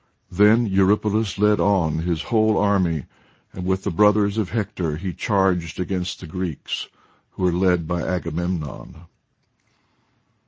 Then Eurypylus led on his whole army, and with the brothers of Hector he charged against the Greeks, who were led by Agamemnon.